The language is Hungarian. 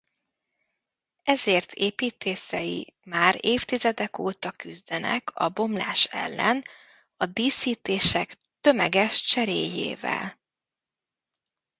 Ezért építészei már évtizedek óta küzdenek a bomlás ellen a díszítések tömeges cseréjével.